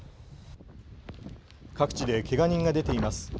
各地でけが人が出ています。